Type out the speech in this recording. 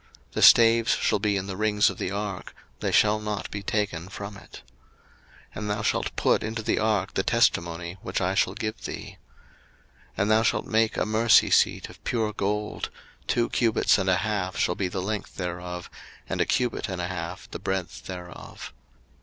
02:025:015 The staves shall be in the rings of the ark: they shall not be taken from it. 02:025:016 And thou shalt put into the ark the testimony which I shall give thee. 02:025:017 And thou shalt make a mercy seat of pure gold: two cubits and a half shall be the length thereof, and a cubit and a half the breadth thereof.